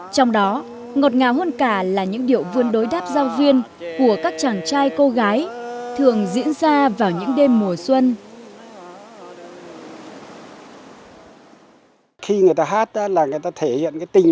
trong đó ngọt ngào hơn cả là những điệu vươn đối đáp giao viên của các chàng trai cô gái thường diễn ra vào những đêm mùa xuân